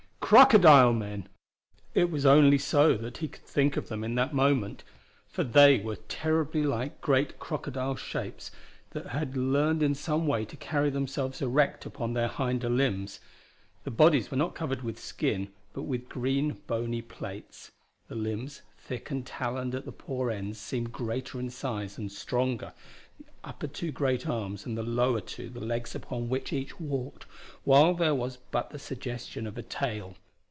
Crocodile men! It was only so that he could think of them in that moment. For they were terribly like great crocodile shapes that had learned in some way to carry themselves erect upon their hinder limbs. The bodies were not covered with skin, but with green bony plates. The limbs, thick and taloned at their paw ends, seemed greater in size and stronger, the upper two great arms and the lower two the legs upon which each walked, while there was but the suggestion of a tail.